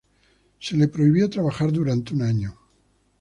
Se le prohibió trabajar durante un año.